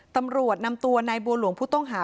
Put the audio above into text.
ตำรวจนำตัวนายบัวหลวงผู้ต้องหา